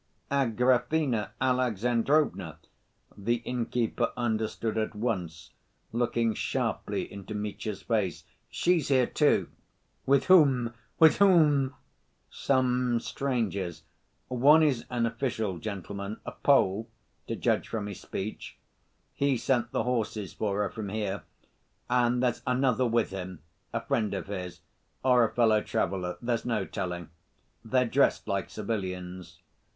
"Agrafena Alexandrovna?" The inn‐keeper understood at once, looking sharply into Mitya's face. "She's here, too ..." "With whom? With whom?" "Some strangers. One is an official gentleman, a Pole, to judge from his speech. He sent the horses for her from here; and there's another with him, a friend of his, or a fellow traveler, there's no telling. They're dressed like civilians."